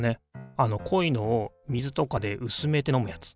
あのこいのを水とかでうすめて飲むやつ。